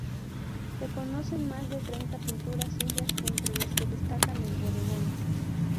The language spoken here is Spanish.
Se conocen más de treinta pinturas suyas, entre las que destacan el "Bodegón.